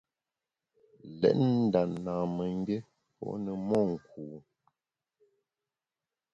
Lét nda namemgbié pô ne monku.